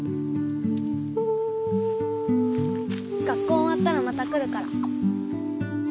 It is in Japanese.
学校おわったらまた来るから。